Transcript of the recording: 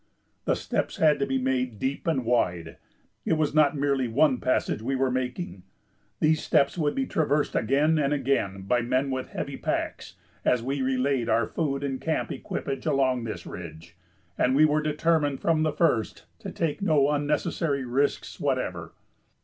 The steps had to be made deep and wide; it was not merely one passage we were making; these steps would be traversed again and again by men with heavy packs as we relayed our food and camp equipage along this ridge, and we were determined from the first to take no unnecessary risks whatever.